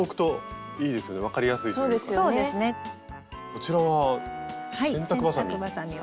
こちらは洗濯ばさみ？